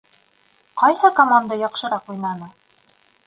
Ҡайһы команда яҡшыраҡ уйнаны?